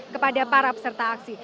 kepada para peserta aksi